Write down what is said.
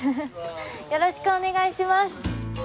よろしくお願いします。